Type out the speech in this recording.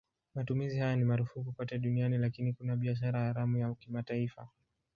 Matumizi haya ni marufuku kote duniani lakini kuna biashara haramu ya kimataifa.